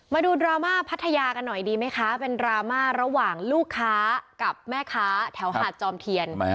มาดูดราม่าพัทยากันหน่อยดีไหมคะเป็นดราม่าระหว่างลูกค้ากับแม่ค้าแถวหาดจอมเทียน